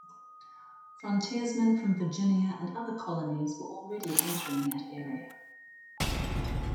Frontiersmen from Virginia and other colonies were already entering that area.